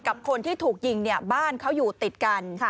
กับคนที่ถูกยิงเนี่ยบ้านเขาอยู่ติดกัน